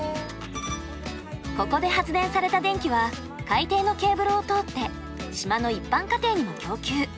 ここで発電された電気は海底のケーブルを通って島の一般家庭にも供給。